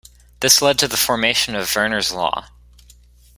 This led to the formation of Verner's Law.